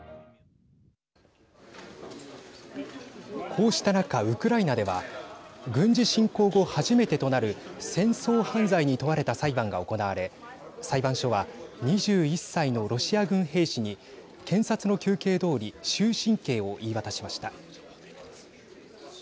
こうした中、ウクライナでは軍事侵攻後、初めてとなる戦争犯罪に問われた裁判が行われ裁判所は、２１歳のロシア軍兵士に検察の求刑どおり終身刑を言い渡しました。